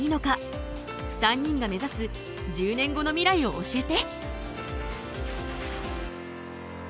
３人が目指す１０年後の未来を教えて。